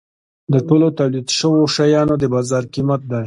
د ټولو تولید شوو شیانو د بازار قیمت دی.